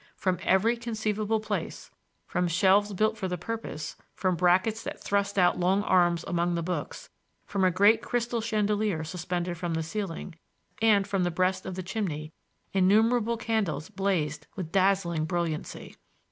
From every conceivable place—from shelves built for the purpose, from brackets that thrust out long arms among the books, from a great crystal chandelier suspended from the ceiling, and from the breast of the chimney—innumerable candles blazed with dazzling brilliancy.